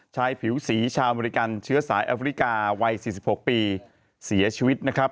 ผิวสีชาวอเมริกันเชื้อสายแอฟริกาวัย๔๖ปีเสียชีวิตนะครับ